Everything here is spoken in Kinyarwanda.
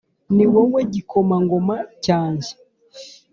niwowe gikomangoma cyanjye